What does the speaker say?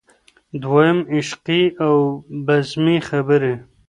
دويم: عشقي او بزمي خبرې.